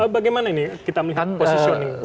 bagaimana ini kita melihat posisioning